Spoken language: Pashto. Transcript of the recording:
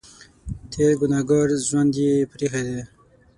تېر ګنهګار ژوند یې پرې اېښی دی.